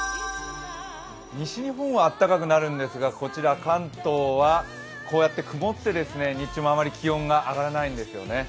西日本は暖かくなるんですが関東は、こうやって曇って日中もあまり気温が上がらないんですよね。